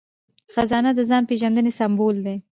خزانه د ځان پیژندنې سمبول دی.